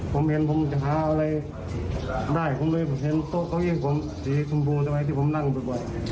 ผมเห็นผมจะหาอะไรได้ผมเลยเห็นโต๊ะเขาเยี่ยงผมสีสมบูรณ์ที่ผมนั่งบ่อย